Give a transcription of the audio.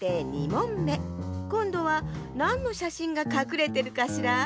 ２もんめこんどはなんのしゃしんがかくれてるかしら？